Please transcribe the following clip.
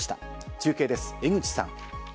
中継です、江口さん。